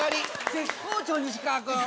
絶好調西川くん。